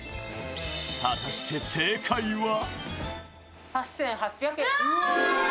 果たして正解は？